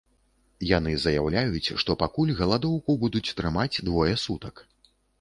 Яны заяўляюць, што пакуль галадоўку будуць трымаць двое сутак.